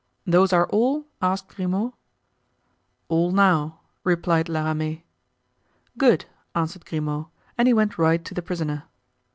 "Those are all?" asked Grimaud. "All now," replied La Ramee. "Good," answered Grimaud; and he went right to the prisoner.